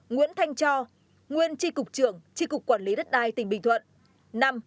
bốn nguyễn thanh cho nguyên chi cục trưởng chi cục quản lý đất đai tỉnh bình thuận